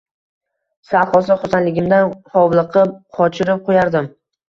Sal qolsa xursandligimdan hovliqib qochirib qo’yardim.